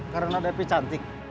karena lebih cantik